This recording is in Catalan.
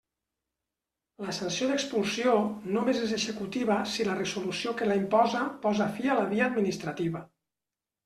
La sanció d'expulsió només és executiva si la resolució que la imposa posa fi a la via administrativa.